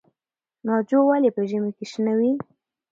ناجو ولې په ژمي کې شنه وي؟